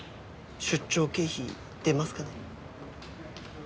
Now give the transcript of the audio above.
出張経費出ますかね？